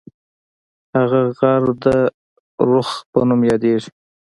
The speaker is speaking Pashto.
هغه غر د رُخ په نوم یادیږي.